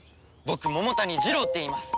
僕桃谷ジロウっていいます。